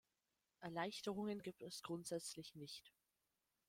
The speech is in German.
Erleichterungen gibt es grundsätzlich nicht.